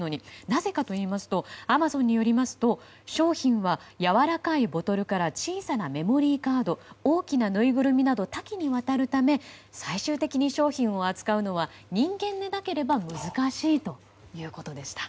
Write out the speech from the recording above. なぜかといいますとアマゾンによりますと商品は、やわらかいボトルから小さなメモリーカード大きなぬいぐるみなど多岐にわたるため最終的に商品を扱うのは人間でなければ難しいということでした。